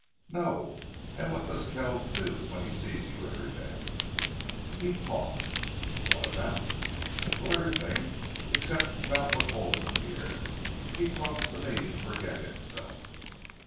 "No.... And WHAT does Kells do when he sees you every day?" "He talks." "What about?" "Oh, everything except about what holds him here. He talks to me to forget himself."